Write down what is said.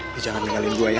lo jangan dengalin gue ya